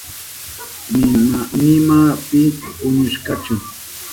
Nima pi puñushkachu.